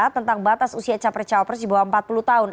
tentang batas usia capres cawapres di bawah empat puluh tahun